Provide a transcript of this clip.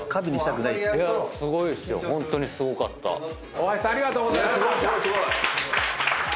大橋さんありがとうございました！